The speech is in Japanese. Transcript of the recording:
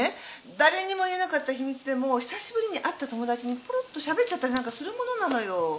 誰にも言えなかった秘密でも久しぶりに会った友達にポロッと喋っちゃったりなんかするものなのよ。